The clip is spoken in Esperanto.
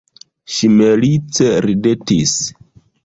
Ŝi malice ridetis.